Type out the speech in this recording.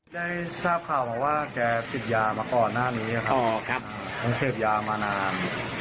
ได้ทราบข่าวมาว่าแกติดยามะก่อนหน้านี้ต้องเชิดยามะนาน